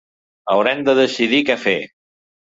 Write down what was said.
Haurem de decidir què fer.